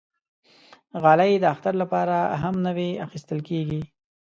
غالۍ د اختر لپاره هم نوی اخېستل کېږي.